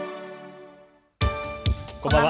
こんばんは。